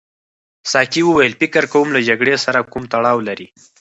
ساقي وویل فکر کوم له جګړې سره کوم تړاو لري.